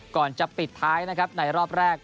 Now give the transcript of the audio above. ก่อนจะปิดท้ายนะครับในรอบแรก